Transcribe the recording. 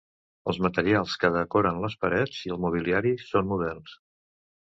Els materials que decoren les parets i el mobiliari són moderns.